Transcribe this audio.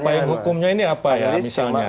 payung hukumnya ini apa ya misalnya